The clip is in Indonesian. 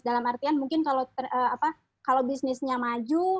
dalam artian mungkin kalau bisnisnya maju